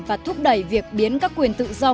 và thúc đẩy việc biến các quyền tự do